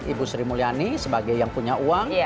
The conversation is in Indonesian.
ibu sri mulyani sebagai yang punya uang